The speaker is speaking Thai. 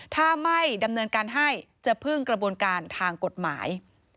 ถ้าไม่ดำเนินการให้จะพึ่งกระบวนการทางกฎหมาย